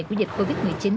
của dịch covid một mươi chín